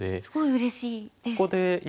すごいうれしいです。